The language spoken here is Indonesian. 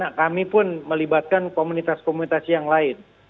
dan kami pun melibatkan komunitas komunitas yang lain